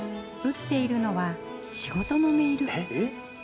打っているのは仕事のメール。